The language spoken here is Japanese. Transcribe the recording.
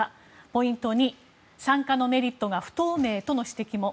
ポイント２、参加のメリットが不透明との指摘も。